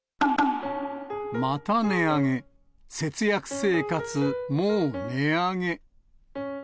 また値上げ節約生活もう音上げ。